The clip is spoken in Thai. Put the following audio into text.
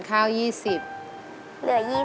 ขึ้น